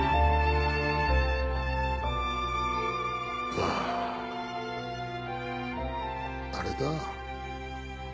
まぁあれだ。